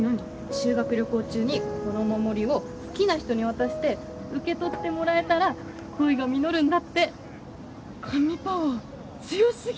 修学旅行中にここのお守りを好きな人に渡して受け取ってもらえたら恋が実るんだって神パワー強すぎ！